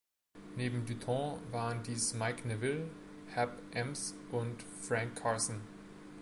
Neben Dutton waren dies Mike Neville, Hap Emms und Frank Carson.